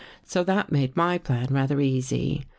So that made my plan rather easy.